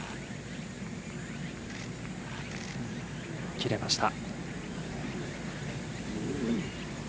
切れました。